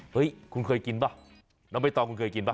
เฮ้ยคุณเคยกินป่ะน้องใบตองคุณเคยกินป่